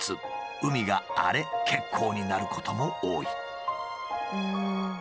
海が荒れ欠航になることも多い。